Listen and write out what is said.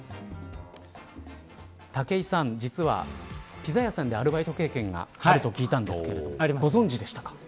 武井さん、実はピザ屋さんでアルバイト経験があると聞いたんですけれどもご存じでしたか。